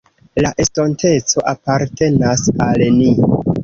La estonteco apartenas al ni.